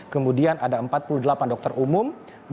kemudian ada empat puluh delapan dokter umum